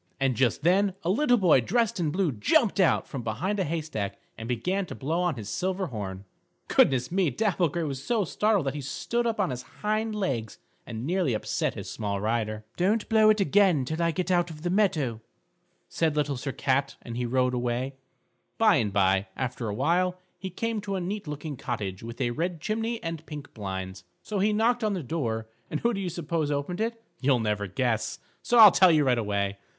And just then a little boy dressed in blue jumped out from behind a haystack and began to blow on his silver horn. Goodness me! Dapple Gray was so startled that he stood up on his hind legs and nearly upset his small rider. [Illustration: LITTLE SIR CAT AND LITTLE BOY BLUE] "Don't blow it again till I get out of the meadow," said Little Sir Cat, and he rode away. By and by, after a while, he came to a neat looking cottage with a red chimney and pink blinds. So he knocked on the door, and who do you suppose opened it? You'll never guess, so I'll tell you right away.